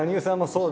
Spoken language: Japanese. そう！